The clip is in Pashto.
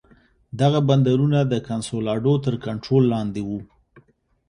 دغه بندرونه د کنسولاډو تر کنټرول لاندې وو.